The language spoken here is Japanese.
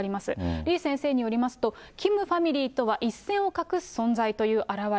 李先生によりますと、キムファミリーとは一線を画す存在という表れ。